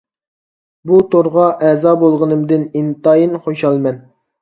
بۇ تورغا ئەزا بولغىنىمدىن ئىنتايىن خۇشالمەن.